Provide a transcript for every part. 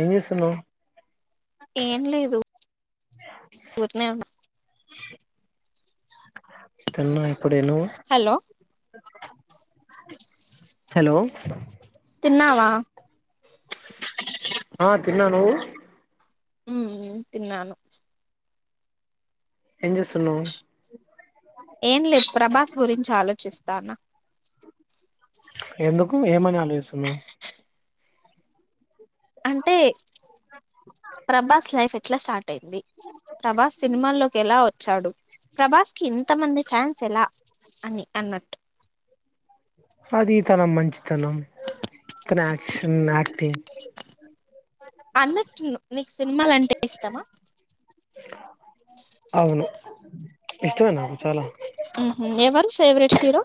ఏం జేస్తున్నావ్ ఏం లేదు ఊరినే ఉన్నా తిన్నా ఇప్పుడే నువ్వు హలో హలో తిన్నావా ఆ తిన్నా నువ్వు ఉమ్ తిన్నాను ఏం చేస్తున్నావ్ ఏం లేదు ప్రభాస్ గురించి ఆలోచిస్తానా ఎందుకు ఏమని ఆలోచిస్తున్నావ్ అంటే ప్రభాస్ లైఫ్ ఎట్లా స్టార్ట్ అయింది ప్రభాస్ సినిమాల్లోకి ఎలా వచ్చాడు ప్రభాస్ కి ఇంతమంది ఫ్యాన్స్ ఎలా అని అన్నట్టు అది తన మంచితనం తన యాక్షన్ యాక్టింగ్ అన్నట్టు నీకు సినిమాలంటే ఇష్టమా అవును ఇష్టమే నాకు చాలా ఉహూ ఎవరు ఫేవరెట్ హీరో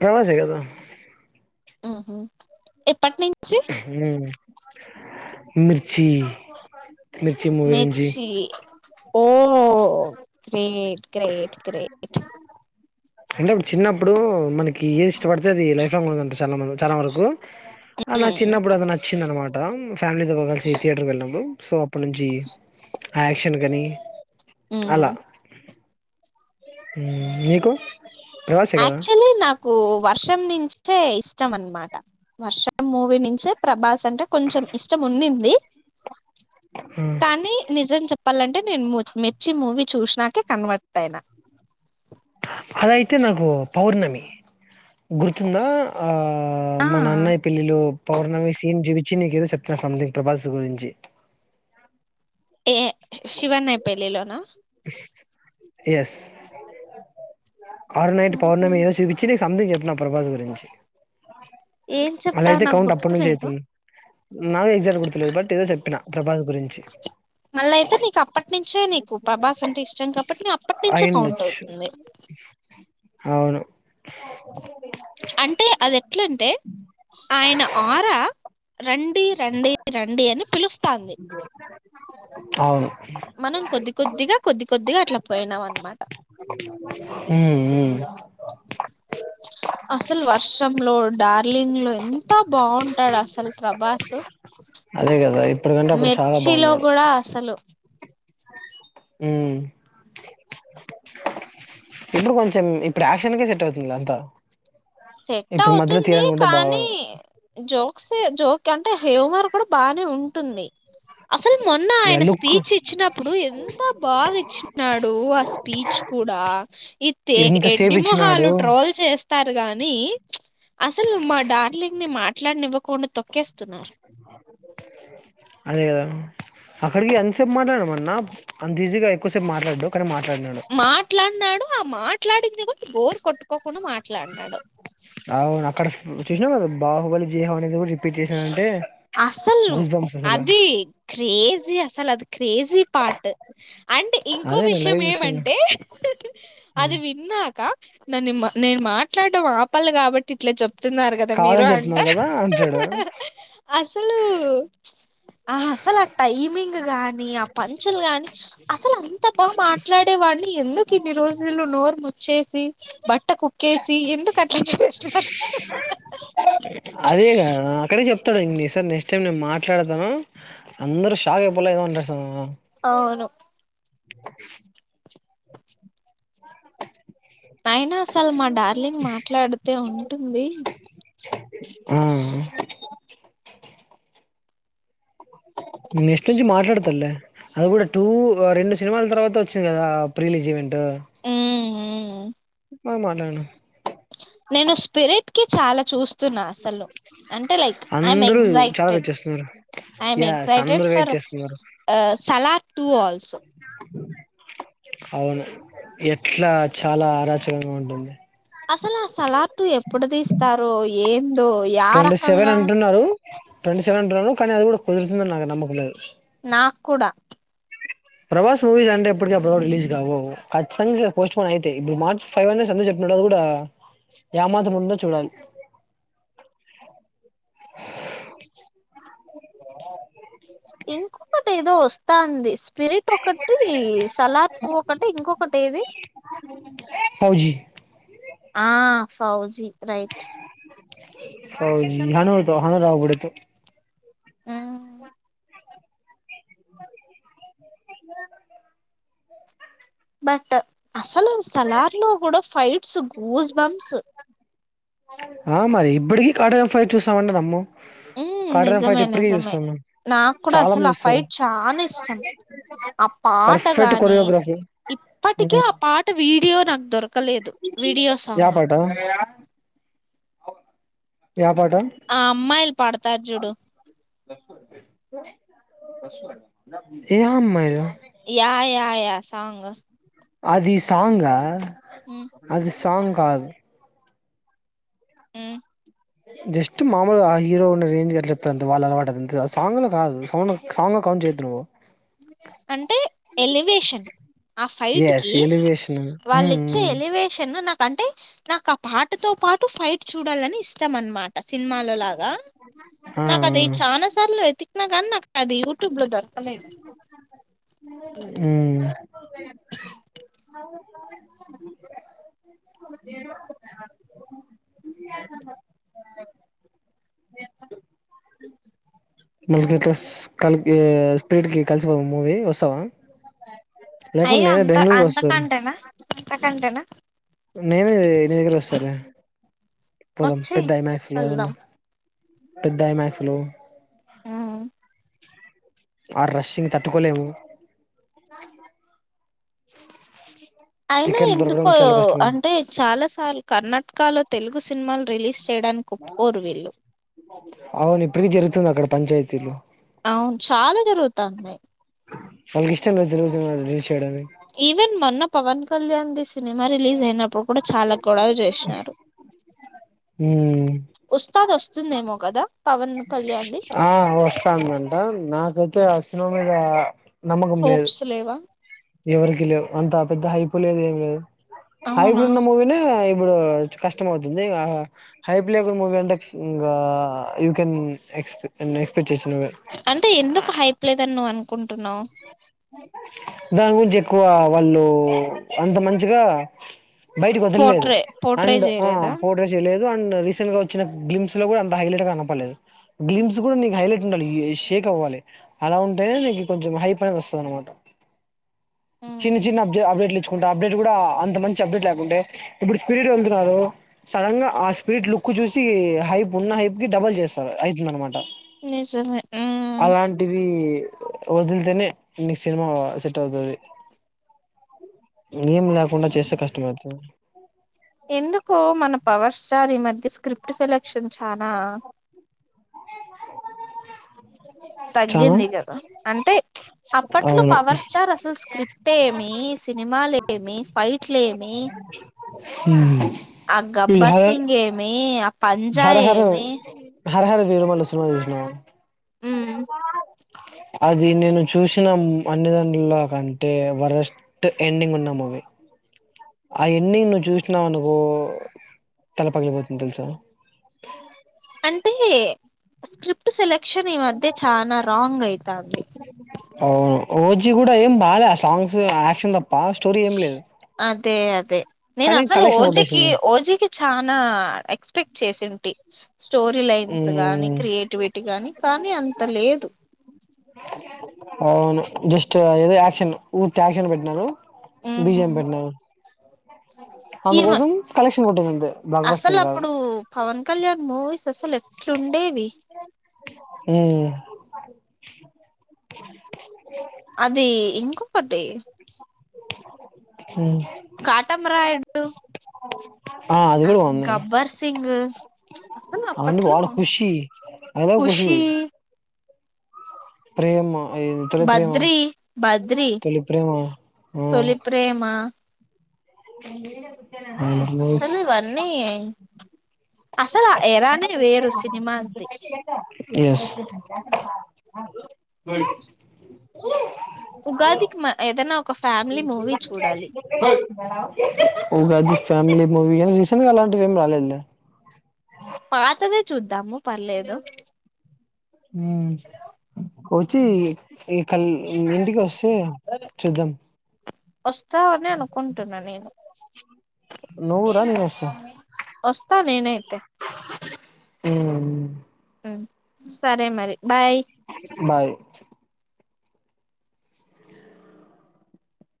ప్రభాస్ ఏ కదా ఉహూ ఉమ్ మీ ర్చీ మిర్చి మూవి నుంచి మిర్చి ఓ గ్రేట్ గ్రేట్ గ్రేట్ అంటే అప్పుడు చిన్నప్పుడు మనకి ఏది ఇష్టపడితే అది లైఫ్ లాంగ్ ఉంటదంట చాలా మ చాలా వరకు అలా నాకు ఉమ్ చిన్నప్పుడు అది నచ్చింది అనమాట ఫ్యామిలీతో కలిసి థియేటర్ వెళ్ళినప్పుడు సో అప్పటి నుంచి యాక్షన్ కానీ ఉహూ ఉమ్ మీకు అక్చుఅల్లీ నాకు వర్షం నుంచే ఇష్టం అనమాట వర్షం మూవీ నుంచే ప్రభాస్ అంటే కొంచెం ఇష్టం ఉన్నింది కానీ నిజం చెప్పాలం టే నేను మిర్చి మూవీ చూసినాకే కన్వర్ట్ అయినా అదయితే నాకు పౌర్ణమి గుర్తుంద ఆ ఆ ఆ! మన అన్నయి పెళ్ళిలో పౌర్ణమి సీన్ చూపించి నీకు ఏదో చెప్పిన సంథింగ్ ప్రభాస్ గురించి ఏ శివ అన్నయి పెళ్ళిలోనా ఎస్ ఆ రోజు నైట్ పౌర్ణమి ఏదో చూపించి సంథింగ్ చెప్పిన ప్రభాస్ గురించి ఏం అలా చెప్పా అయితే నాకు కౌంట్ అప్పటి నుంచి గుర్తులేదు. అయితుంది నాకు ఎగ్జాట్ గుర్తులేదు బట్ ఏదో చెప్పిన ప్రభాస్ గురించి మళ్ళ అయితే నీకు అప్పటి నుంచే నీకు ప్రభాస్ అంటే ఇష్టం కాబట్టి అప్పటినుంచే కౌంట్ అయ్యిండొచ్చు అవుతుంది. అవును అంటే అది ఎట్లంటే ఆయన ఆరా రండి రండి రండి అని పిలుస్తాంది అవును మనం కొద్ది కొద్దిగా కొద్ది కొద్దిగా అట్లా పోయినాం అనమాట ఉమ్ ఉమ్ అసలు వర్షంలో డార్లింగ్ లో ఎంత బాగుంటాడు అసలు ప్రభాసు అదే కదా ఇప్పటికంటే అప్పుడు చాలా మిర్చిలో బాగున్నాడు కూడా అసలు ఉమ్ ఇప్పుడు కొంచెం ఇప్పుడు యాక్షన్కే సెట్ అవుతుంది అంతా సెట్ ఇప్పుడు మధ్యలో అవుతుంది తీయాలనుకుంటే బాగా కానీ జోక్స్ ఏ జోక్ అంటే హ్యూమర్ కూడా బాగ్ నే ఉంటుంది అసలు మొన్న ఆయన లుక్ స్పీచ్ ఇచ్చినప్పుడు ఎంత బాగా ఇచ్చినాడు ఆ స్పీచ్ కూడా ఇత్తే ఎడ్డి ఎంతసేపు ఇచ్చినాడు మొహాలు ట్రోల్ చేస్ టారు గాని ప్చ్ అసలు మా డార్లింగ్ ని మాట్లాడనివ్వకుండా తొక్కేస్తున్నారు అదే కదా అక్కడికి ఎంతసేపు మాట్లాడినమన్నా అంత ఈజీగా ఎక్కువసేపు మాట్లాడ్డు కనీ మా మాట్లాడ్నాడు ఆ మాట్లాడింది గుడ బోరు కొట్టుకోకుండా మాట్లాడినాడు అవును అక్కడ చూసినవ్ గద బాహుబలి జీహో అనేది గూడా రిపీట్ చేసినాడంటే అస్సలు గూస్ బంప్స్ అసలు అది క్రేజీ అసలది క్రేజీ పార్ట్ అంటే ఇంకో అదే నేను విషయం లైవ్ ఏమ్ చూస్తున్నా ఏమంటే హ్మ్ అది విన్నాక నన్నెమా నేను మాట్లాడం ఆపలి గాబట్టి ఇట్ల చెప్తున్నారు గదా మీరు అంట అ అహ అసలా టైమింగ్ గాని, ఆ పంచులు గానీ అసలు అంత బా మాట్లాడే వాడ్ని ఎందుకిన్ని రోజులు నోర్ముచ్చేస్ ఇ బట్ట కుక్కెసి ఎందుకట్ల చంపేస్తున్నారు అదేగదా క్కనీ చెప్తడు ఇన్ ఇ సారి నెక్స్ట్ టైం నేన్ మాట్లాడతాను అందరూ షాక్ అయిపోలే ఏదో అంటాడు అవును [inaudible] అయినాసలు మా డార్లింగ్ మాట్లాడితే ఉంటుంది ఉమ్ నెక్స్ట్ నుంచి మాట్లాడుతడ్లె అది గూడ టూ రెండు సినిమాల తర్వాత వచ్చింది కదా ఆ ప్రిలీజేవెంట్ ట్ హ్మ్ హ్మ్ బాగ మాట్లాడినా నేను స్పిరిట్ కి చాలా చూస్ స్తున్నా అసలు అంటే లైక్ ఐ ఆమ్ అందరూ చాలా ఎగ్జైటెడ్ వెయిట్ చేస్తున్నారు ఆమ్ యస్ ఎక్సైటెడ్ అందరూ వెయిట్ ఫర్ చేస్తున్నారు అ సలార్ టూ ఆల్సో అవును ఎట్లా చాలా అరాచకంగా ఉంటుంది అసలా సలార్ టూ ఎప్పుడు తీస్తారు ఏం ట్వంటీ సెవెన్ అంటున్నరు ట్వంటీ సెవెన్ అంటున్నరు కనీ అది గూడ కుదిరుతుందని నాకు నమ్మకం లేదు నాకు కూడా ప్రభాస్ మువీస్ అంటేప్పటికప్పుడు రిలీజ్ గావవు, ఖచ్చతంగా పోస్టుపోన్ అయితయి ఇప్పుడు మార్చ్ ఫైవ్ అనేసి అందర్ చెప్ ఇక్కడ గూడా యామాత్రం ఉందో చూడాలి [inaudible] ఇదర్ అ ఇంకొకటెదో వస్తాంది స్పిరిట్ ఒకటి, సలార్ టూ ఒకటి ఇంకొకటెది ఫౌజి ఆ ఫౌజీ రైట్ ఫౌజీ హనూతు హను రాగూడదు హ్మ్. బట్ అసలు సలార్ లో గూడ ఫైట్స్ గూస్ బంప్స్ ఆ మరి ఇప్పటికీ కాటం ఫైట్ చూసామన్నదమ్ము ఉమ్ నిజమే నిజమే చాలా నాక్కుడసలు మంది ఆ చూస్తారు ఫైట్ చానిష్టం ఆ పాట పర్ఫెక్ట్ గాని కొరియోగ్రఫీ ఇప్పటికీ ఉమ్. ఆ పాట వీడియో నాకు దొరక క్కలేదు వీడియో యా సాంగ్ పాట యా పాట ఆ అమ్మాయిలు పాడతారు జూడు ఏ అమ్మాయిలు యా యా యా సాంగ్ అది సాంగా హ్మ్ అది సాంగ్ కాదు ఉమ్ జస్ట్ మామూలుగ ఆ హీరో ఉన్న రేంజ్ కి అట్ల చెప్తదంతే, వాళ్ళ అలవాటదంతే ఆ సాంగ్ లో కాదు సౌండ్ సాంగ్ కౌంట్ చేయెద్దు నువ్వు అంటే ఎలివేషన్ ఆ ఫైట్ ఎస్ కి ఎలివేషన్ వాళ్ళ ఇచ్చే ఎలివేషన్ నాక్ అంటే నాకు ఆ పాటతో పాటు, ఫైట్ చూడాలని ఇష్టం అన్నమా సినిమాలో లాగా నాకు అది ఆ చానా సార్లు ఏతికినా కానీ నాకు అది యూట్యూబ్ లో దొరకు కలేదు ఉ మళకి ఎట్లా కలిసి స్పీడ్ కి కలిసిపోదాం మూవీ కి వస్తావా లేకుంటే అయ్యో నేనే బెంగుళూరు వస్తల అంత కంటేనా నేను నీ దగ్గర వస్తాలె పోదాం వచ్చేయ్ పెద్ద ఐమక్స్ లో వెళ్దాం ఏదన్నా పెద్ద ఐమ్యాక్స్ లు ఉమ్. ఆ రష్ కి తట్టుకోలేము అయినా టికెట్లు దొరకడం ఎందుకో చాలా కష్టం అంటే చాలా సార్లు కర్ణాటకలో తెలుగు సినిమాలు రిలీజ్ చేయడానికి ఒప్పుకోరు వీళ్ళు అవును ఇప్పటికి జరుగుతుంది అక్కడ పంచాయతీలు అవును చాలా జరుగుతదీ వాళ్కి ఇష్టం లేదు తెలుగు సినిమాలు రిలీజ్ ఈవెన్ మొన్న పవన్ కళ్యాణ్ ది సినిమా రిలీజ్ అయినప్పుడు కూడా చాలా గొడవ చేసినారు హు ఉస్తాద్ వస్తుందేమో కదా పవన్ కళ్యాణ్ ది ఆ వస్తాందంట నాకు అసలుయ హోప్స్ లేవా ఎవరికి లేవు అంత పెద్ద హైపు లేదు ఏం లేదు హైపులు అవునా ఉన్న మూవీ నే ఇప్పుడు కష్టం అవుతుంది హై పలేవ్ మూవీ అంటే ఇంకా యూ కెన్ ఎక్స్ నెక్స్ట్ అంటే ఎందుకు హైప్లేదని నువ్వు అనుకుంటున్నావ్ దాని గురించి ఎక్కువ వాళ్ళు అంత మంచిగా బయటికి పడంలేదు పోట్రే పోట్రే అండ్ చేయలేదా పొట్రేచేయలేదు అండ్ రీసెంట్ గా వచ్చిన గ్లిమ్స్ లో కూడా అంత హైలైట్గా కనపడలేదు, గ్లిమ్స్ కూడా నీ హైలైట్ ఉండాలి అవ్వాలి అలా ఉంటేనే నీకు కొంచెం హై అనేది వస్తది అనమాట చిన్న ఉమ్. చిన్న అప్డ అప్డేట్లు ఇచ్చుకుంటారు అప్డేట్ కూడా అంత మంచి అప్డేట్ లేకుంటే ఇప్పుడు స్పిడ్ వెళ్తున్నారు సడన్ గా ఆ స్పీడ్ లుక్ చూసి హైప్ ఉన్న హైప్ కి డబల్ చేస్తారు అవుతుందన్నమాట నిజమే ఉమ్. అలాంటివి వదులుతనే ఈ సినిమా సెట్ అవుతది ఏం లేకుండా చేసే కష్టం అతు ఎందుకో మన పవర్ స్టార్ ఈ మధ్య స్క్రిప్ట్ సెలెక్షన్ చానా చానా తగ్గింది కదా అంటే అప్పట్లో అవును పవర్ స్టార్ అసలు స్క్రిప్ట్ ఏమి సినిమాలేమీ ఏమి ఫైట్లేమీ హూమ్ ఆ గబ్బర్సింగ్ ఏమి ఆ పంజా ఏమి హర హర వీరమల్లు సినిమా చూసినవా ఉమ్ అది నేను చూసిన అన్నిదాన్లలో కంటే వరస్ట్ ఎండింగ్ ఉన్న మూవీ ఆ అన్నీ నువ్వు చూసినావనుకో తల పగిలిపోతుంది తెలుసా [inaudible] అంటే స్క్రిప్ట్ సెలె క్షన్ ఈ మధ్య చాల రాంగ్ అయితాంది అవును ఓజీ కూడా ఏం బాగాలే ఆ సాంగ్స్ యాక్షన్ తప్ప స్టోరీ ఏం లేదు అదే అదే నేను కానీ అసలు కలెక్షన్ ఓజీకి కొట్టేసింది ఓజీకి చానా ఎక్స్పెక్ట్ చేసిం టి స్టోరీ లైన్స్ గానీ మ్మ్ క్రియేటివిటీ గాని కానీ అంత లేదు అవును జస్ట్ ఏదో యాక్షన్ ఊర్తి యాక్షన్ పెట్టినారు బీజియం ఉమ్ పెట్టినారు ఈమ అందుకోసం కలెక్షన్ కొట్టింది అంతే బ్లాక్ అసలు బస్టింగ్ కాదు అప్పుడు పవన్ కళ్యాణ్ మూవీస్ అసలు ఎట్లుండేవి హూమ్ అది ఇంకొకటి హుమ్ అ గబ్బర్ సింగ్ అసలు అవన్నీ అప్పట్లో బాగున్నాయి ఖుషి ఐ లవ్ ఖుషి ప్రేమ హామ్ తొలి ప్రేమ బద్రి బద్రి తొలి ప్రేమ ఆ తొలి ప్రేమ [unintelligible] అసలివన్నీ అసలు ఆ ఎరానే వేరు సినిమాలది ఎస్ ఉగాదికి మ ఏదైనా ఒక ఫ్యామిలీ మూవీ చూడాలి [unintelligible] ఉగాది ఫ్యామిలీ మూవీయా రీసెంట్ గా అలాంటివేమి రాలేదులే పాతదే చూద్దాము పర్లేదు వచ్చి ఈ కల్ ఈ ఇంటికి వస్తే చూద్దాం వస్తావనే అనుకుంటున్న నేను నువ్వు రా నేనొస్తా వస్తా నేనైతే హూ ఉ సరే మరి బాయ్ బాయ్